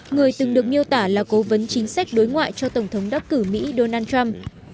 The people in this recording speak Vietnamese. người từng được miêu tả là cố vấn chính sách đối ngoại cho tổng thống đắc cử mỹ donald trump